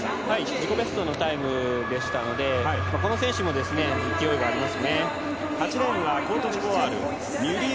自己ベストのタイムでしたのでこの選手も勢いがあります。